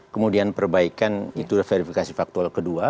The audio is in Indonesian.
kemudian perbaikan itu verifikasi faktual kedua